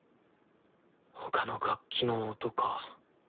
他の楽器の音か。